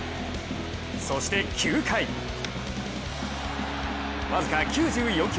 そして９回、僅か９４球。